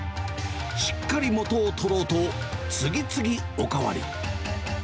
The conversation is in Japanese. しっかり元を取ろうと、次々お代わり。